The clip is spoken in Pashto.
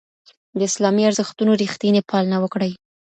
د اسلامي ارزښتونو رښتینې پالنه وکړئ.